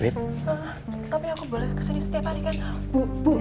tapi aku boleh kesini setiap hari kan